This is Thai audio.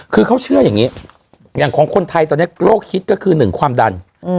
คือเขาเชื่ออย่างนี้อย่างของคนไทยตอนนี้โลกฮิตก็คือหนึ่งความดัน